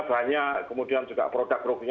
banyak kemudian juga produk produknya